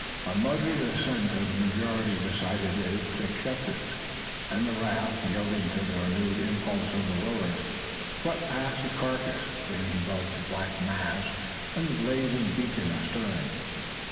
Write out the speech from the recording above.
A muttered assent of the majority decided its acceptance; and the raft, yielding to the renewed impulse of the rowers, swept past the carcass, leaving both the black mass and the blazing beacon astern.